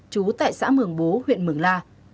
trú tại xã mường bố huyện mường la